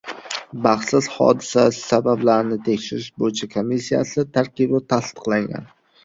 Baxtsiz hodisa sabablarini tekshirish bo‘yicha komissiyasi tarkibi tasdiqlangan